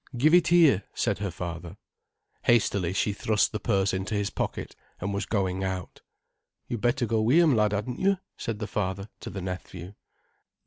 "Give it here," said her father. Hastily she thrust the purse into his pocket and was going out. "You'd better go wi' 'em, lad, hadn't you?" said the father to the nephew.